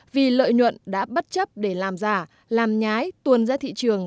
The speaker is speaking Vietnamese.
vì lợi nhuận đã bất chấp để làm giả làm nhái tuôn ra thị trường